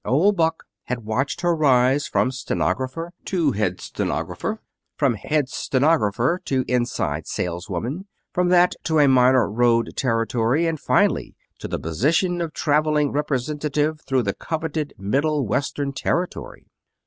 Old Buck had watched her rise from stenographer to head stenographer, from head stenographer to inside saleswoman, from that to a minor road territory, and finally to the position of traveling representative through the coveted Middle Western territory.